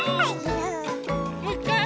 もういっかい？